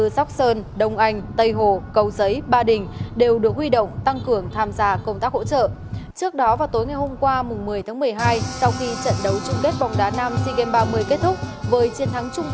xin chào các bạn